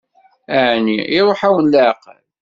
Ɛni iṛuḥ-awen leɛqel?